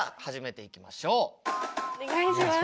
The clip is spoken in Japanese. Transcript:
お願いします。